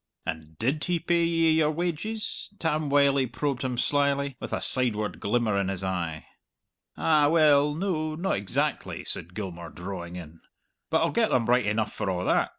"And did he pay ye your wages?" Tam Wylie probed him slyly, with a sideward glimmer in his eye. "Ah, well, no not exactly," said Gilmour, drawing in. "But I'll get them right enough for a' that.